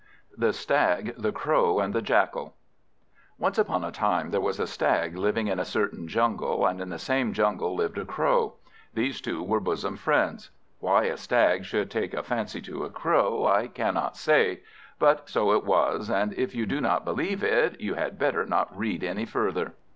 The Stag, the Crow, and the Jackal ONCE upon a time there was a Stag living in a certain jungle, and in the same jungle lived a Crow. These two were bosom friends. Why a Stag should take a fancy to a Crow, I cannot say; but so it was; and if you do not believe it, you had better not read any further.